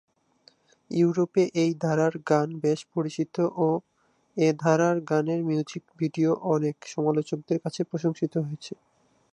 ইউরোপে এই ধারার গান বেশ পরিচিত ও এ ধারার গানের মিউজিক ভিডিও অনেক সমালোচকদের কাছে প্রশংসিত হয়েছে।